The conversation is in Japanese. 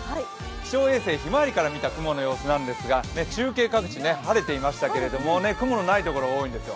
気象衛星ひまわりから見た雲の様子ですが中継各地晴れていましたが雲のないところが多いんです。